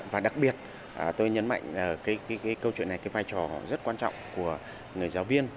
và đặc biệt tôi nhấn mạnh câu chuyện này là vai trò rất quan trọng của người giáo viên